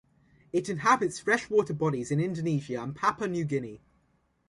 It inhabits freshwater bodies in Indonesia and Papua New Guinea.